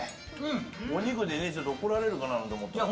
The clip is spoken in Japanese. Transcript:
お肉で怒られるかななんて思ったら。